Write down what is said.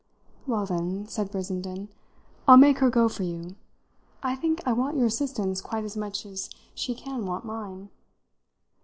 "Well, then," said Brissenden, "I'll make her go for you. I think I want your assistance quite as much as she can want mine."